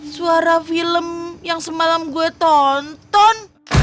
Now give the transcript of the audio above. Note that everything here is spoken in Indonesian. suara film yang semalam gue tonton